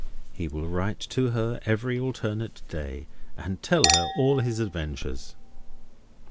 He will write to her every alternate day, and tell her all his adventures.